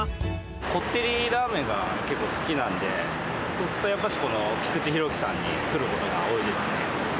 こってりラーメンが結構好きなんで、そうするとやっぱしきくちひろきさんに来ることが多いですね。